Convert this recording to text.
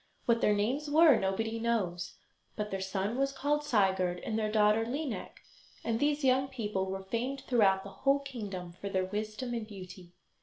What their names were nobody knows, but their son was called Sigurd, and their daughter Lineik, and these young people were famed throughout the whole kingdom for their wisdom and beauty.